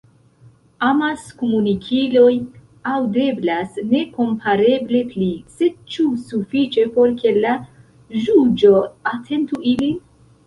Amaskomunikiloj “aŭdeblas” nekompareble pli, sed ĉu sufiĉe por ke la ĵuĝo atentu ilin?